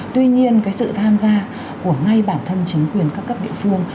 tuy nhiên sự tham gia của ngay bản thân chính quyền các cấp địa phương